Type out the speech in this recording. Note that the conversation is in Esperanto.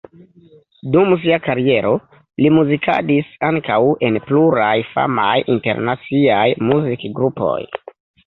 Dum sia kariero li muzikadis ankaŭ en pluraj famaj internaciaj muzikgrupoj.